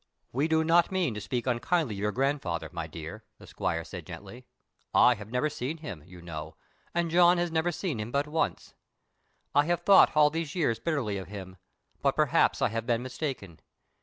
"We do not mean to speak unkindly of your grandfather, my dear," the squire said gently. "I have never seen him, you know, and John has never seen him but once. I have thought all these years bitterly of him, but perhaps I have been mistaken.